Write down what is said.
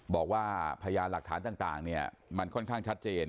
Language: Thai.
บอกว่าพยานหลักฐานต่างมันค่อนข้างชัดเจน